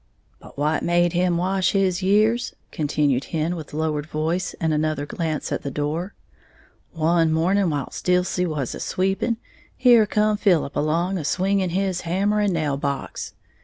"But what made him wash his years," continued Hen, with lowered voice and another glance at the door; "one morning whilst Dilsey was a sweeping, here come Philip along, a swinging his hammer and nail box.